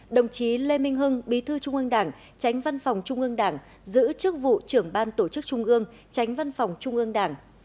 đồng chí lê minh hưng bí thư trung ương đảng tránh văn phòng trung ương đảng giữ chức vụ trưởng ban tổ chức trung ương tránh văn phòng trung ương đảng